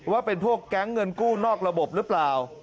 ว่าเป็นพวกแก๊งเงินกู้นอกระบบหรือเปล่า